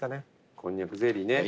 こんにゃくゼリーですかね。